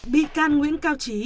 bị can nguyễn cao trí